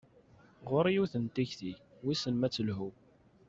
Ɣur-i yiwet n tikti, wissen ma ad telhu.